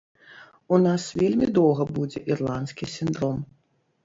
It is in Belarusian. У нас вельмі доўга будзе ірландскі сіндром.